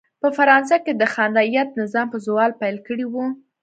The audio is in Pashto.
په فرانسه کې د خان رعیت نظام په زوال پیل کړی و.